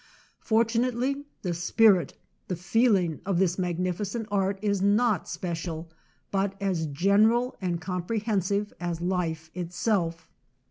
For tunately the spirit, the feeling, of this magnificent art is not special, but as gen eral and comprehensive as life itself.